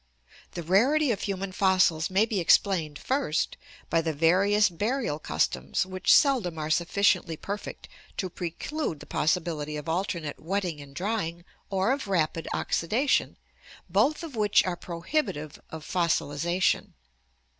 The rarity of human fossils may be explained, first, by the various burial customs which seldom are sufficiently perfect to preclude the possibility of alternate wetting and drying or of rapid oxidation, both of which are prohibitive of fossilization.